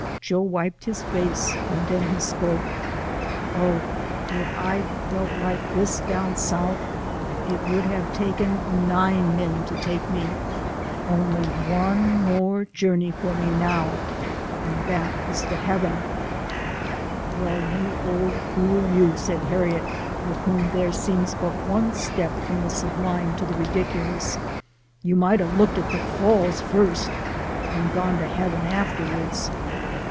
Joe wiped his face, and then he spoke. " Oh ! if I'd felt like dis down South, it would hab taken nine men to take me ; only one more journey for me now, and dat is to Hebben !"" Well, you ole fool you," said Harriet, with whom there seems but one step from the sublime to the ridiculous, " you might a' looked at de Falls fust, and den gone to Hebben afterwards."